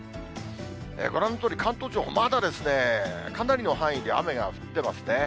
ご覧のとおり、関東地方、まだですね、かなりの範囲で雨が降ってますね。